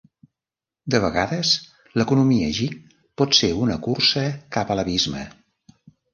De vegades, l'economia gig pot ser una cursa cap a l'abisme.